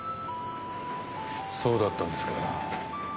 そうだったんですか。